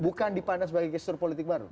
bukan dipandang sebagai gestur politik baru